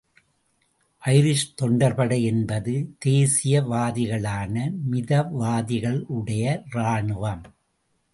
Irish தொண்டர் படை என்பது தேசியவாதிகளான மிதவாதிகளுடைய ராணுவம்.